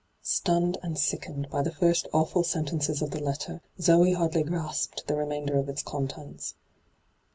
Stunned and sickened by the first awful sentences of the letter, Zoe hardly grasped ' the remainder of its contents.